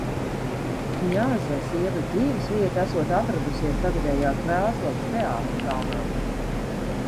Kņaza sievas dzīvesvieta esot atradusies tagadējā Krāslavas Teātra kalnā.